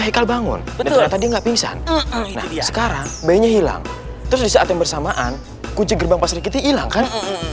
haikal bangun ternyata dia nggak pingsan sekarang bayinya hilang terus di saat yang bersamaan kunci gerbang pasir kita hilang kan